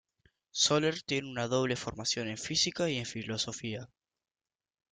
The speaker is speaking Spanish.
Soler tiene una doble formación en física y en filosofía.